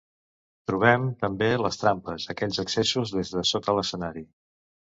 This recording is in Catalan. Trobem, també les trampes, aquells accessos des de sota l’escenari.